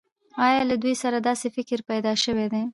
آیا له دوی سره داسې فکر پیدا شوی دی